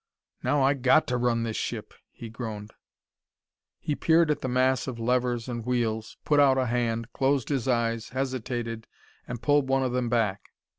"Now I got to run this ship!" he groaned. He peered at the mass of levers and wheels, put out a hand, closed his eyes, hesitated, and pulled one of them back.